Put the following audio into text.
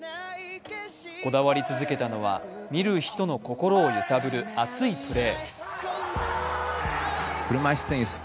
こだわり続けたのは見る人の心を揺さぶる熱いプレー。